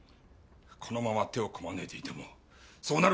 このまま手をこまねいていてもそうなる可能性が！